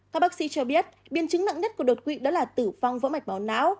các bác sĩ cho biết biến chứng nặng nhất của đột quỵ đó là tử vong vỡ mạch máu não